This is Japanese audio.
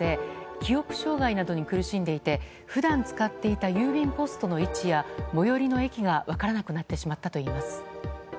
記憶障害などに苦しんでいて普段使っていた郵便ポストの位置や最寄りの駅が分からなくなってしまったといいます。